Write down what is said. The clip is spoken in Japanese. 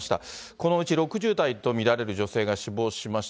このうち６０代と見られる女性が死亡しました。